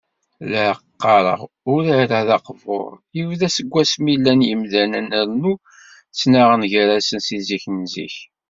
La aɣ-qqaren, urar-a, d aqbur: yebda seg wasmi llan yimdanen, rnu ttnaɣen gar-asen seg zik n zik.